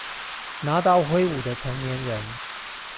拿刀揮舞的成年人